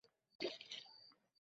সমস্যাটি একটি সিদ্ধান্ত সমস্যা।